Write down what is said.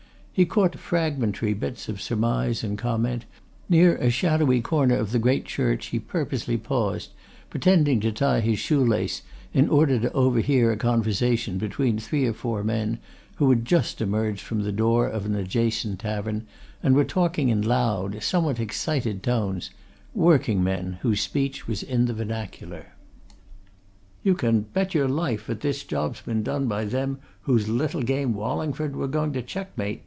He caught fragmentary bits of surmise and comment as he walked along; near a shadowy corner of the great church he purposely paused, pretending to tie his shoe lace, in order to overhear a conversation between three or four men who had just emerged from the door of an adjacent tavern, and were talking in loud, somewhat excited tones: working men, these, whose speech was in the vernacular. "You can bet your life 'at this job's been done by them whose little game Wallingford were going to checkmate!"